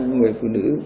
người phụ nữ